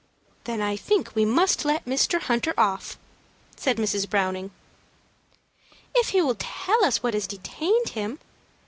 "Then I think we must let Mr. Hunter off," said Mrs. Browning. "If he will tell us what has detained him.